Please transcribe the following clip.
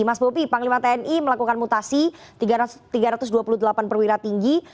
mas bobi panglima tni melakukan mutasi tiga ratus dua puluh delapan perwira tinggi